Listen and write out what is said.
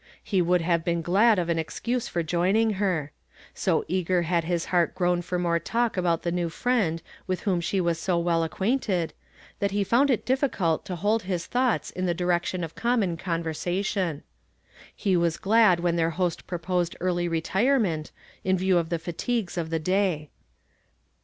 He would have been glad of an excuse for joining her. So eager had his heart grown for more talk about the new friend witli wliom she was so well accpiainted, that he found it difficult to hold his thoughts in the direction of connnon conversation. He was glad when their liost pro posed early retirement, in view of the fatigues of the day.